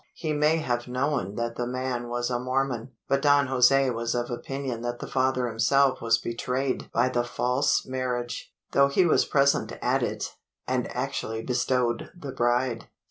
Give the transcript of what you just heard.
He may have known that the man was a Mormon; but Don Jose was of opinion that the father himself was betrayed by the false marriage though he was present at it, and actually bestowed the bride!"